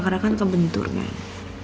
karena kan kebentur kan